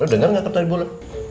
lo denger gak kata ibu lo